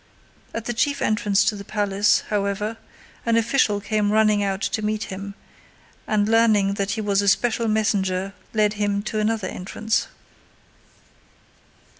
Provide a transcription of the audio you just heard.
At the chief entrance to the palace, however, an official came running out to meet him, and learning that he was a special messenger led him to another entrance.